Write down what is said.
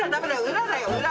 裏だよ裏。